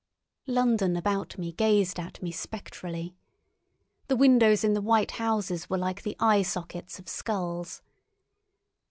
London about me gazed at me spectrally. The windows in the white houses were like the eye sockets of skulls.